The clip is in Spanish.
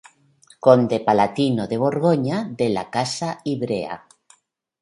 Conde Palatino de Borgoña de la Casa Ivrea.